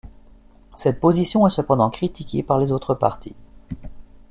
Cette position est cependant critiquée par les autres partis.